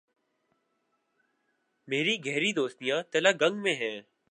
میری گہری دوستیاں تلہ گنگ میں ہیں۔